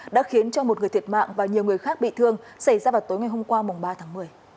đã khiến cho một người thiệt mạng và nhiều người khác bị thương xảy ra vào tối ngày hôm qua ba tháng một mươi